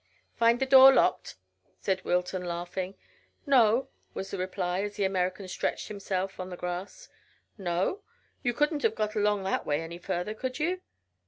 "Find the door locked?" said Wilton, laughing. "No," was the reply, as the American stretched himself on the grass. "No? You couldn't have got along that way any further, could you?"